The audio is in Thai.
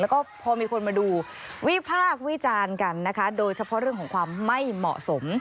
แล้วก็พอมีคนมาดูวิพากษ์วิจารณ์กันนะคะโดยเฉพาะเรื่องของความไม่เหมาะสม